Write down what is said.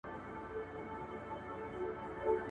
په ګونګۍ ژبه بدلې وېلې.